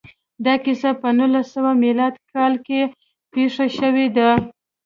دا کیسه په نولس سوه میلادي کال کې پېښه شوې ده